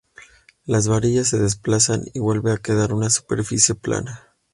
Las varillas se desplazan y vuelve a quedar una superficie "plana".